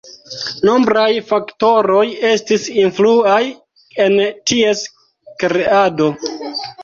Nombraj faktoroj estis influaj en ties kreado.